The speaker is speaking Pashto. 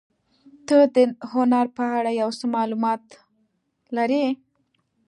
ته د هنر په اړه یو څه معلومات لرې؟